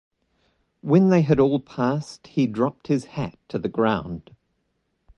When they had all passed, he dropped his hat to the ground.